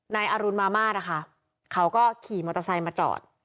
นายอรุณมามาตรนะคะเขาก็ขี่มอเตอร์ไซค์มาจอด